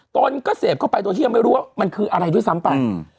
ตนก็เสพเข้าไปโดยที่ยังไม่รู้ว่ามันคืออะไรด้วยซ้ำไป